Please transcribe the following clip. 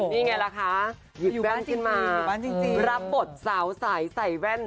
นี่ไงล่ะค่ะอยู่บ้านจริงอยู่บ้านจริงรับบทสาวใสใสแว่น